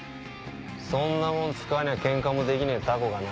そんなもん使わにゃケンカもできねえタコがな